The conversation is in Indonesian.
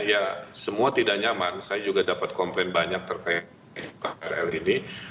ya semua tidak nyaman saya juga dapat komplain banyak terkait krl ini